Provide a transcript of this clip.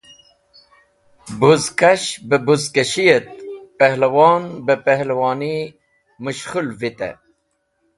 Bũzkash beh bũzkashi et pawlwon beh palwoni mũshkhũl vite.